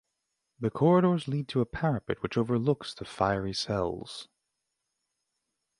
The corridors lead to a parapet which overlooks the fiery cells.